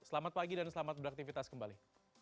selamat pagi dan selamat beraktivitas kembali